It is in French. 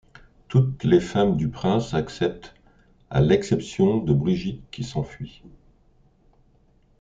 Toutes les femmes du prince acceptent à l'exception de Brigitte qui s'enfuit.